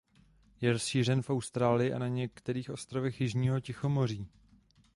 Je rozšířen v Austrálii a na některých ostrovech jižního Tichomoří.